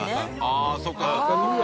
ああそっか！